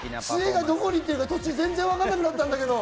杖がどこに行ってるか途中全然わからなくなったんだけど。